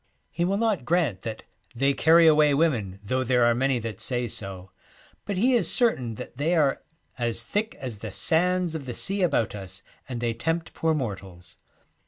He will not grant that 'they carry away women, though there are many that say so,' but he is certain that they are ' as thick as the sands of the sea about us, and they tempt poor mortals.'